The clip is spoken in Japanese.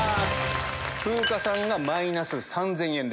風花さんがマイナス３０００円。